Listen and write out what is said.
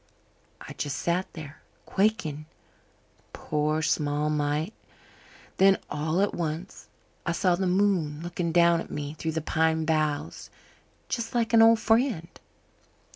I just sat there quaking, poor small mite. Then all at once I saw the moon looking down at me through the pine boughs, just like an old friend.